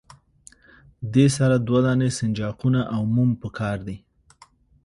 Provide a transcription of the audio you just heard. دې سره دوه دانې سنجاقونه او موم پکار دي.